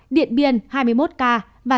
điện biên hai mươi một ca